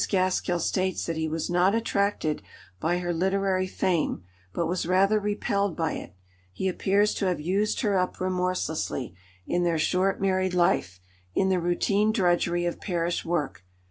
Gaskell states that he was not attracted by her literary fame, but was rather repelled by it; he appears to have used her up remorselessly, in their short married life, in the routine drudgery of parish work.